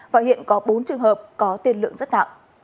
và hiện có bốn trường hợp có tiên lượng rất đặng